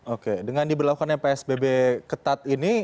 oke dengan diberlakukannya psbb ketat ini